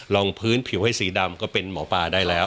ลองพื้นผิวให้สีดำก็เป็นหมอปลาได้แล้ว